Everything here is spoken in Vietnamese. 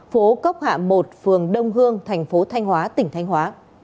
phố cốc hạ một phường đông hương thành phố thanh hóa tỉnh thanh hóa